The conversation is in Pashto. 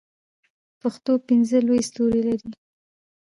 پښتو پنځه لوی ستوري لري.